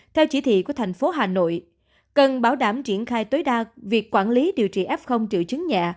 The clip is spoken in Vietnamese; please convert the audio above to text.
theo chỉ thị của thành phố hà nội cần bảo đảm triển khai tối đa việc quản lý điều trị f triệu chứng nhẹ